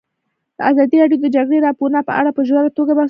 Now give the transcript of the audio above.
ازادي راډیو د د جګړې راپورونه په اړه په ژوره توګه بحثونه کړي.